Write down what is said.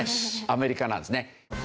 アメリカなんですね。